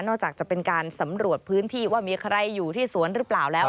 อกจากจะเป็นการสำรวจพื้นที่ว่ามีใครอยู่ที่สวนหรือเปล่าแล้ว